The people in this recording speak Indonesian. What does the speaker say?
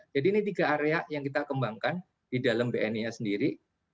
jadi ini tiga area yang kita kembangkan di dalam bni nya sendiri